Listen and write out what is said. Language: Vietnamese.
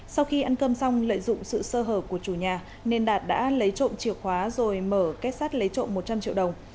sau khi ăn cơm xong lợi dụng sự sơ hở của chủ nhà nên đạt đã lấy trộm chìa khóa rồi mở kết sát lấy trộm một trăm linh triệu đồng